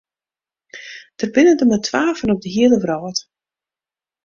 Dêr binne der mar twa fan op de hiele wrâld.